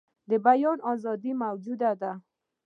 د بیان آزادي موجوده ده.